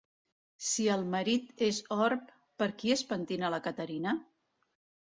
Si el seu marit és orb, per qui es pentina la Caterina?